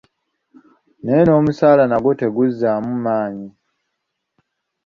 Naye ng'omusaala nagwo teguzaamu maanyi.